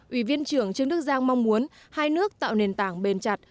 ủy viên trưởng trương đức giang mong muốn hai nước tạo nền tảng bền chặt